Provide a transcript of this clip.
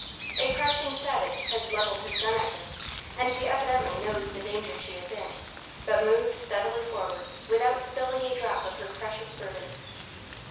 A crouching savage has leveled his gun at her, and she evidently knows the danger she is in, but moves steadily forward without spilling a drop of her precious burden.